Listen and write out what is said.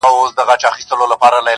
مستي، مستاني، سوخي، شنګي د شرابو لوري.